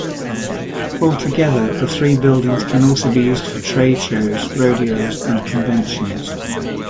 Altogether, the three buildings can also be used for trade shows, rodeos and conventions.